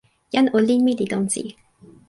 jan olin mi li tonsi.